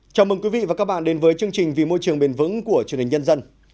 chào mừng quý vị và các bạn đến với chương trình vì môi trường bền vững của truyền hình nhân dân